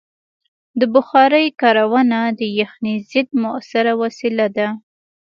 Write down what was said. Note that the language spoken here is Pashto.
د بخارۍ کارونه د یخنۍ ضد مؤثره وسیله ده.